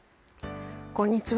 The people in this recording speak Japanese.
こんにちは。